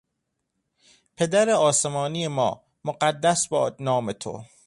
پدر آسمانی ما، مقدس باد نام تو!